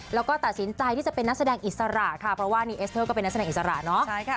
แล้วก็ตัดสินใจที่จะเป็นนักแสดงอิสระค่ะเพราะว่านีเอสเตอร์ก็เป็นนักแสดงอิสระเนาะ